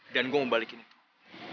dan gue mau balikin itu